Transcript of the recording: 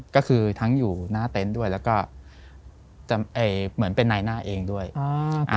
ก็คือทั้งอยู่หน้าเต็นต์ด้วยแล้วก็จะเอ่อเหมือนเป็นนายหน้าเองด้วยอ่า